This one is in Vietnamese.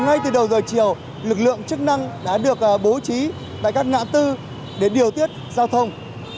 ngay từ đầu giờ chiều lực lượng chức năng đã được bố trí tại các ngã tư để điều tiết giao thông